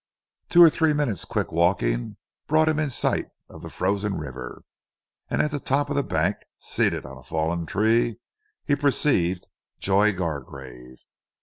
To or three minutes' quick walking brought him in sight of the frozen river, and at the top of the bank, seated on a fallen tree, he perceived Joy Gargrave.